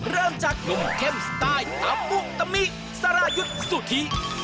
เริ่มจากนมเข้มสไตล์อัมพุทธมิสรายุทธสุทธิ